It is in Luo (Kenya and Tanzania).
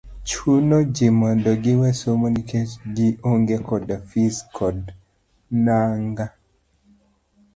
chuno gi mondo giwe somo nikech gi onge koda fis kod nanga.